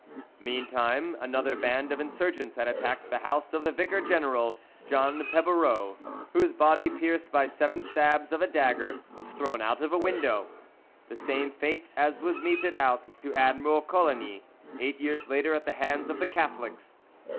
Meantime another band of insurgents had attacked the house of the vicar general, John Pebereau, whose body pierced by seven stabs of a dagger was thrown out of a window, the same fate as was meted out to Admiral Coligny eight years later at the hands of the Catholics.